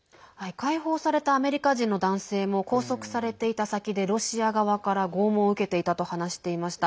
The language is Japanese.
解放されたアメリカ人の男性も拘束されていた先でロシア側から拷問を受けていたと話していました。